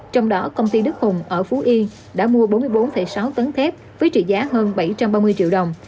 trong đó công ty đức hùng ở phú yên đã mua bốn mươi bốn sáu tấn thép với trị giá hơn bảy trăm ba mươi triệu đồng